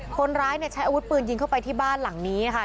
คนร้ายเนี่ยใช้อาวุธปืนยิงเข้าไปที่บ้านหลังนี้ค่ะ